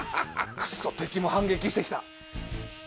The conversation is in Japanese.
クソっ敵も反撃して来た。